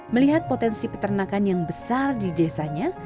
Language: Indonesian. melihat potensi peternakan yang besar di desanya